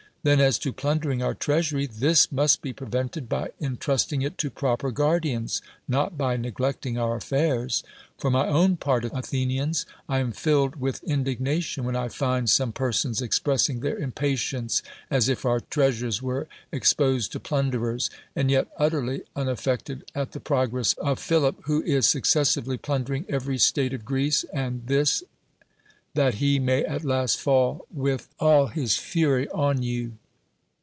Then as to plundei'ing our treasury; this must be prevented by intrusting it to pro])er guardians, not by neglecting our affairs. For my own part, Athenians, I am filled witli in flignation when I find some persons expressing their impatience, as if our treasures were ex posed to ])]under( rs, and yet utterly unaffected at the pi'ogress of Philip, who is successively plundering every state of (!r(MH'<'; and this, tiiat he may at last fall with all his fniy on you.